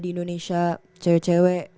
di indonesia cewek cewek